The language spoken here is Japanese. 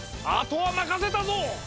あとはまかせたぞ！